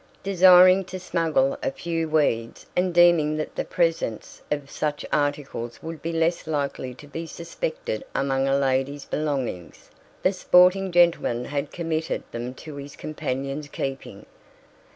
Desiring to smuggle a few "weeds," and deeming that the presence of such articles would be less likely to be suspected among a lady's belongings, the sporting gentleman had committed them to his companion's keeping.